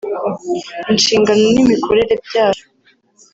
inshingano n’imikorere byayo